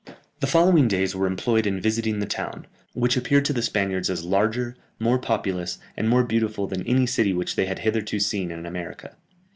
The following days were employed in visiting the town, which appeared to the Spaniards as larger, more populous, and more beautiful than any city which they had hitherto seen in America.